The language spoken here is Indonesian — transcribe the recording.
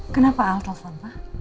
kenapa al telpon